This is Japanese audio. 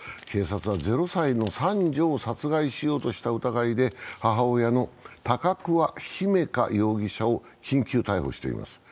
警察は０歳の三女を殺害しようとした疑いで母親の高桑姫華容疑者を緊急逮捕しています。